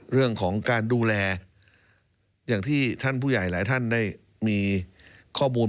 เรื่องของการดูแลอย่างที่ท่านผู้ใหญ่หลายท่านได้มีข้อมูล